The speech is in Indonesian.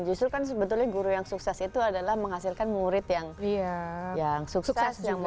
justru kan sebetulnya guru yang sukses itu adalah menghasilkan murid yang sukses